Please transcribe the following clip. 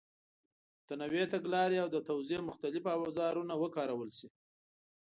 متنوع تګلارې او د توضیح مختلف اوزارونه وکارول شي.